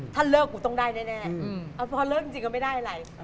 ถ้าเลิกกูต้องได้แน่พอเลิกจริงก็ไม่ได้อะไร